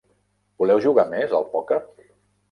Voleu jugar més al pòquer?